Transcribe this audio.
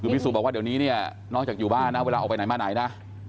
คือพี่สุบอกว่าเดี๋ยวนี้เนี่ยนอกจากอยู่บ้านนะเวลาออกไปไหนมาไหนนะ